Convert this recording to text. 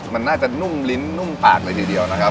มันน่าจะนุ่มลิ้นนุ่มปากเลยทีเดียวนะครับ